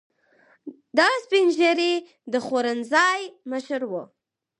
دا سپین ږیری د خوړنځای مشر و.